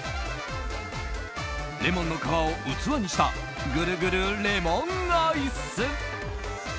レモンの皮を器にしたぐるぐるレモンアイス。